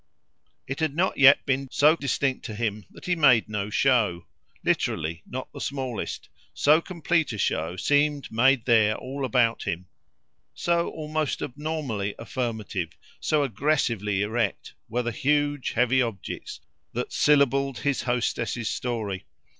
It hadn't yet been so distinct to him that he made no show literally not the smallest; so complete a show seemed made there all about him; so almost abnormally affirmative, so aggressively erect, were the huge heavy objects that syllabled his hostess's story.